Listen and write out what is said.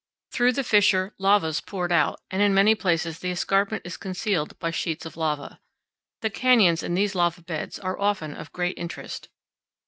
Through the fissure lavas poured out, and in many places the escarpment is concealed by sheets of lava. The canyons in these lava beds are often of great interest.